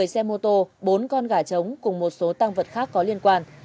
một mươi xe mô tô bốn con gà trống cùng một số tăng vật khác có liên quan